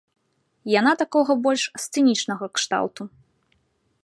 Яна такога больш сцэнічнага кшталту.